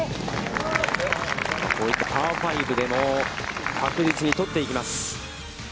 こういったパー５でも確実に取っていきます。